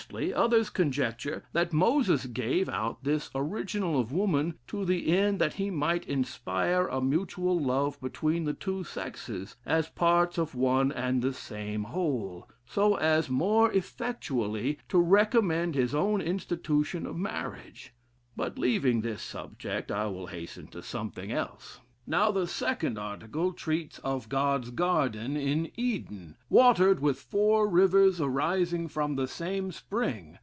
Lastly, others conjecture that Moses gave out this original of woman to the end that he might inspire a mutual love between the two sexes, as parts of one and the same whole, so as more effectually to recommend his own institution of marriage.... But leaving this subject, I will hasten to something else. "Now, the second article treats of God's, garden in Eden, watered with four rivers arising from the same spring....